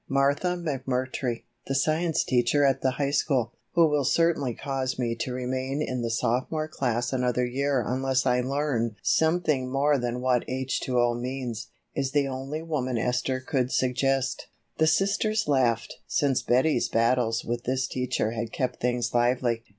Martha McMurtry, the science teacher at the high school, who will certainly cause me to remain in the sophomore class another year unless I learn something more than what H2O means, is the only woman Esther could suggest." The sisters laughed, since Betty's battles with this teacher had kept things lively.